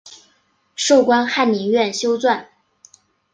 授官翰林院修撰。